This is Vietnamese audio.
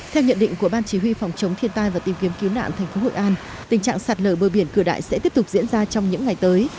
theo nhận định của ban chỉ huy phòng chống thiên tai và tìm kiếm cứu nạn thành phố hội an tình trạng sạt lở bờ biển cửa đại sẽ tiếp tục diễn ra trong những ngày tới